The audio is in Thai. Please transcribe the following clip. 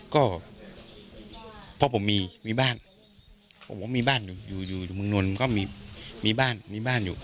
ก็พ่อผมมีมีบ้านพ่อบอกว่ามีบ้านอยู่อยู่เมืองนลก็มีบ้านมีบ้านอยู่